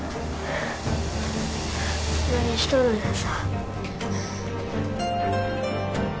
何しとるんやさ